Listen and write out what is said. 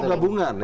atau gabungan ya